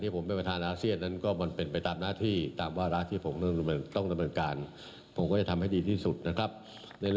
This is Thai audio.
ภายในประเทศของเราให้ได้